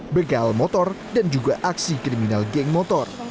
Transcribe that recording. begal motor dan juga aksi kriminal geng motor